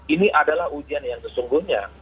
ini adalah ujian yang sesungguhnya